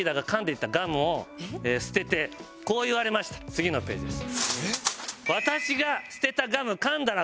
次のページです。